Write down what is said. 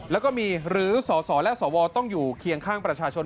แล้วก็มีหรือสสและสวต้องอยู่เคียงข้างประชาชน